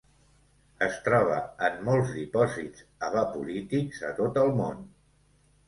Es troba en molts dipòsits evaporítics a tot el món.